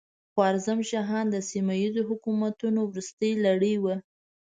خوارزم شاهان د سیمه ییزو حکومتونو وروستۍ لړۍ وه.